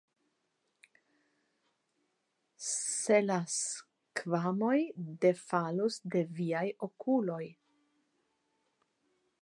Se la skvamoj defalus de viaj okuloj!